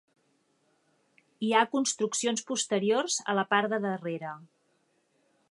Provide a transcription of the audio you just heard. Hi ha construccions posteriors a la part de darrere.